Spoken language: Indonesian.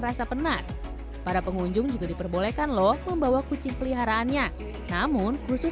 rasa penat para pengunjung juga diperbolehkan loh membawa kucing peliharaannya namun khusus